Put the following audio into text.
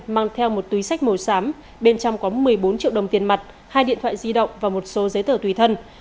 mang theo một túi sách màu xám bên trong có một mươi bốn triệu đồng tiền mặt hai điện thoại di động và một số giấy tờ tùy thân